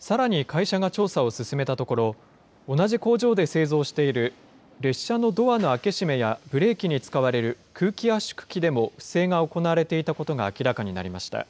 さらに会社が調査を進めたところ、同じ工場で製造している、列車のドアの開け閉めやブレーキに使われる空気圧縮機でも不正が行われていたことが明らかになりました。